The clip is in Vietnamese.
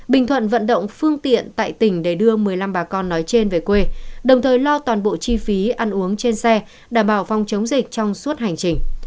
bình thuận vận động phương tiện tại tỉnh để đưa một mươi năm bà con nói trên về quê đồng thời lo toàn bộ chi phí ăn uống trên xe đảm bảo phòng chống dịch trong suốt hành trình